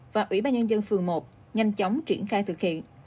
và ủy ban nhân dân phường một nhanh chóng triển khai thực hiện